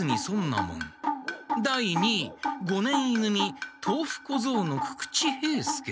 第二位五年い組豆腐小僧の久々知兵助。